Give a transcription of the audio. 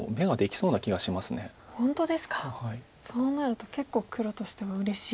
そうなると結構黒としてはうれしい。